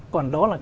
còn đó là